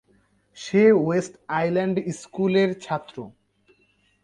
সে west island school এর একজন ছাত্র।